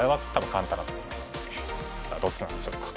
さあどっちなんでしょうか。